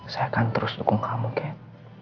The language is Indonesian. saya akan terus dukung kamu kan